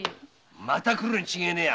また来るに違いねえ。